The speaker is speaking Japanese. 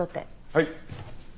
はい。